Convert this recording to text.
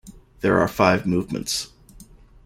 There are five movements.